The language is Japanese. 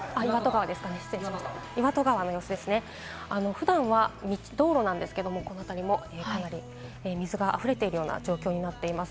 普段は道路なんですけれど、このあたりもかなり水があふれているような状況になっています。